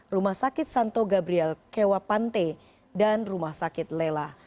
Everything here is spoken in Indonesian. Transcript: rumah sakit santo gabriel kewapante dan rumah sakit lela